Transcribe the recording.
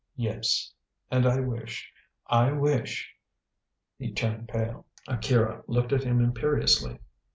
"Yes. And I wish I wish " he turned pale. Akira looked at him imperiously.